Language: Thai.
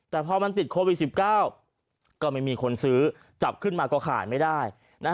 แต่พอมันติดโควิด๑๙ก็ไม่มีคนซื้อจับขึ้นมาก็ขายไม่ได้